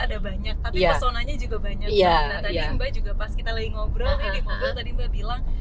ada banyak tapi personanya juga banyak iya tadi mbak juga pas kita lagi ngobrol tadi mbak bilang